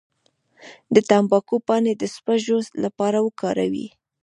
د تمباکو پاڼې د سپږو لپاره وکاروئ